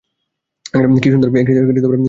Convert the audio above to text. কী সুন্দর পারফরম্যান্স!